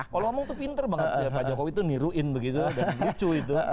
kalau ngomong itu pintar banget pak jokowi itu niruin dan lucu